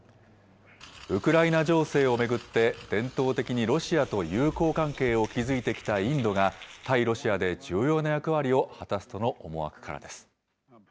ウクライナ情勢を巡って伝統的にロシアと友好関係を築いてきたインドが、対ロシアで重要な役割を果たすとの思惑からです。